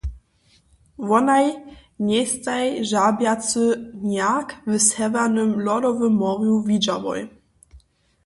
Wonaj njejstaj žabjacy njerk w Sewjernym lodowym morju widźałoj.